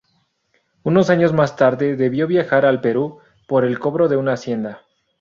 Unos años más tarde debió viajar al Perú por el cobro de una herencia.